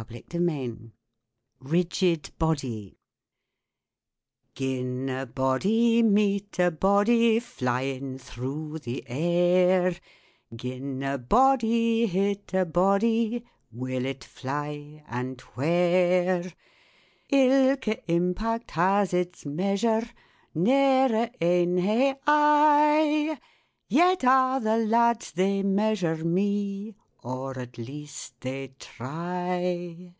F, G, Hartswick, RIGID BODY SINGS Gin a body meet a body Flyin' through the air, Gin a body hit a body, Will it fly? and where? Ilka impact has its measure, Ne'er a' ane hae I, Yet a' the lads they measure me, Or, at least, they try.